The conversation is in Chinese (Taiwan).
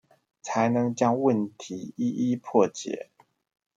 才能將問題一一破解